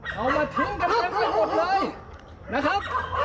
เอามาทิ้งกันเต็มไปหมดเลยนะครับ